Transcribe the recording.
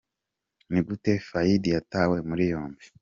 Ni gute Faïd yatawe muri yombi?.